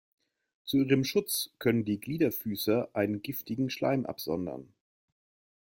Zu ihrem Schutz können die Gliederfüßer einen giftigen Schleim absondern.